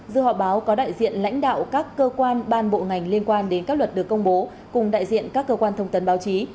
dự họp báo có đại diện lãnh đạo các cơ quan ban bộ ngành liên quan đến các luật được công bố cùng đại diện các cơ quan thông tấn báo chí